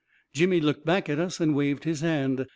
Jimmy looked back at us and waved his hand.